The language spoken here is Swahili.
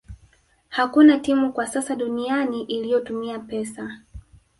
Hakuna timu kwa sasa duniani iliyotumia pesa